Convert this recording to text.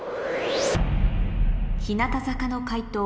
日向坂の解答